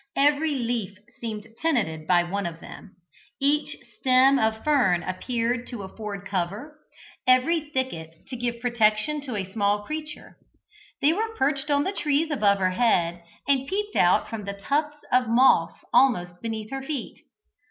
Every leaf seemed tenanted by one of them; each stem of fern appeared to afford cover, every thicket to give protection to a small creature: they were perched on the trees above her head, and peeped out from the tufts of moss almost beneath her feet.